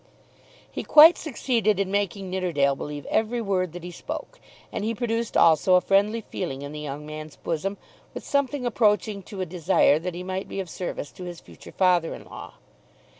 He quite succeeded in making Nidderdale believe every word that he spoke, and he produced also a friendly feeling in the young man's bosom, with something approaching to a desire that he might be of service to his future father in law.